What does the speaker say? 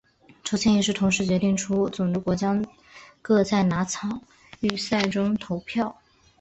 抽签仪式同时决定出种子国将各在哪场预赛中投票。